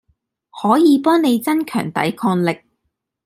可以幫你增強抵抗力